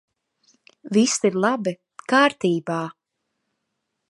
Viss ir labi! Kārtībā!